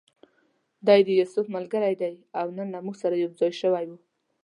دی د یوسف ملګری دی او نن له موږ سره یو ځای شوی و.